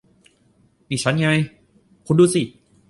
นี่ฉันไง คุณดูสิ